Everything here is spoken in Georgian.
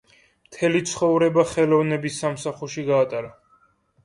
მთელი ცხოვრება ხელოვნების სამსახურში გაატარა.